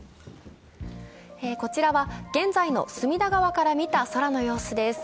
こちらは現在の隅田川から見た空の様子です。